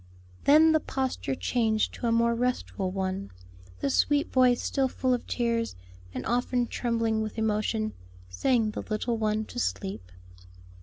Then, the posture changed to a more restful one, the sweet voice still full of tears, and often trembling with emotion, sang the little one to sleep.